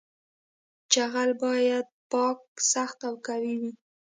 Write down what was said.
جغل باید پاک سخت او قوي وي